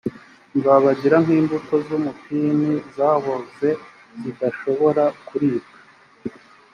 nzabagira nk imbuto z umutini zaboze zidashobora kuribwa